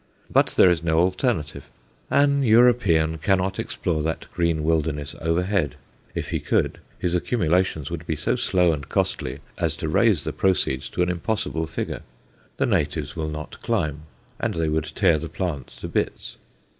But there is no alternative. An European cannot explore that green wilderness overhead; if he could, his accumulations would be so slow and costly as to raise the proceeds to an impossible figure. The natives will not climb, and they would tear the plants to bits.